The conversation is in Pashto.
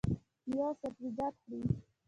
میوه او سبزیجات خورئ؟